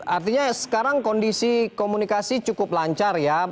artinya sekarang kondisi komunikasi cukup lancar ya